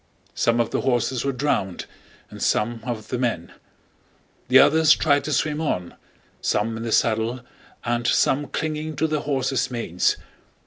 Some of the horses were drowned and some of the men; the others tried to swim on, some in the saddle and some clinging to their horses' manes.